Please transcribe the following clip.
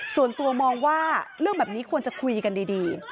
ส่วนตัวมองว่าเรื่องแบบนี้ควรจะคุยกันดี